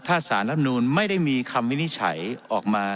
ถ้าสารรับนูลไม่ได้มีคำวินิจฉัยออกมา